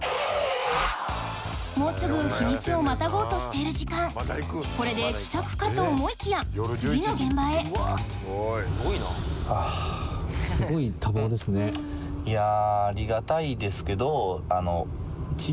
もうすぐ日にちをまたごうとしている時間これで帰宅かと思いきや次の現場へいやぁ。